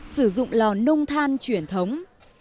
sử dụng lò nung than truyền thống